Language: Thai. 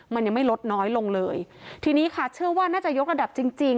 มันยังไม่ลดน้อยลงเลยทีนี้ค่ะเชื่อว่าน่าจะยกระดับจริงจริง